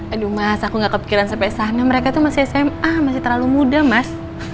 aduh mas aku gak kepikiran sampai sana mereka tuh masih sma masih terlalu muda mas